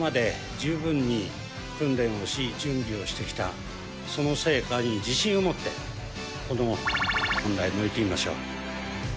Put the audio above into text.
十分に訓練をし、準備をしてきた、その成果に自信を持って、この×××問題、乗り切りましょう。